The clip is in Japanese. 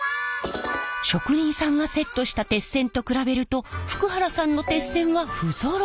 職人さんがセットした鉄線と比べると福原さんの鉄線は不ぞろい。